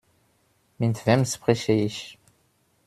Mit wem spreche ich?